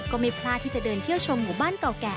ก็ไม่พลาดที่จะเดินเที่ยวชมหมู่บ้านเก่าแก่